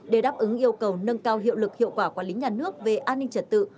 để đáp ứng yêu cầu nâng cao hiệu lực hiệu quả quản lý nhà nước về an ninh trật tự